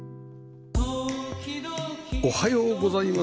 おはようございます。